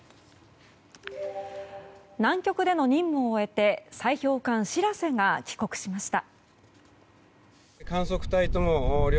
南極での任務を終えて砕氷艦「しらせ」が帰国しました。